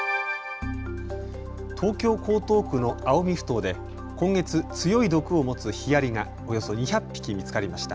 東京江東区の青海ふ頭で今月、強い毒を持つヒアリがおよそ２００匹見つかりました。